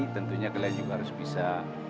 tentunya kalian juga harus bisa